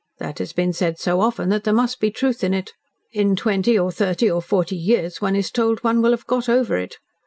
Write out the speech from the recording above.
That has been said so often that there must be truth in it. In twenty or thirty or forty years one is told one will have got over it.